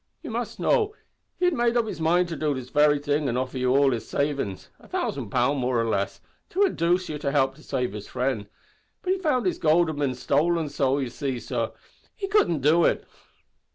You must know, he had made up his mind to do this very thing an' offer you all his savings a thousand pound, more or less to indooce you to help to save his frind, but he found his goold had bin stolen, so, you see, sor, he couldn't do it."